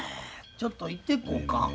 ちょっと行ってこうか。